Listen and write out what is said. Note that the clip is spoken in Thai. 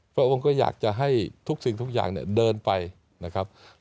พระองค์ก็อยากจะให้ทุกสิ่งทุกอย่างเนี่ยเดินไปนะครับ